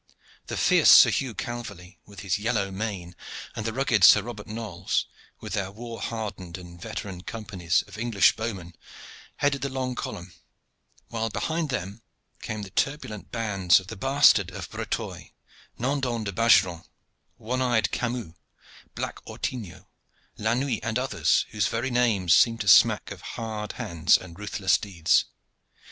The fierce Sir Hugh Calverley, with his yellow mane, and the rugged Sir Robert Knolles, with their war hardened and veteran companies of English bowmen, headed the long column; while behind them came the turbulent bands of the Bastard of Breteuil, Nandon de Bagerant, one eyed Camus, Black Ortingo, La Nuit and others whose very names seem to smack of hard hands and ruthless deeds.